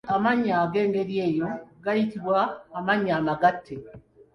Amannya ag’engeri eyo gayitibwa amannya amagatte.